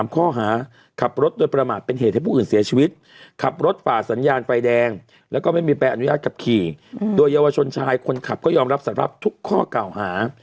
ข้อหาขับรถโดยประมาทเป็นเหตุให้ผู้อื่นเสียชีวิตขับรถฝ่าสัญญาณไฟแดงแล้วก็ไม่มีใบอนุญาตขับขี่โดยเยาวชนชายคนขับก็ยอมรับสารภาพทุกข้อเก่าหา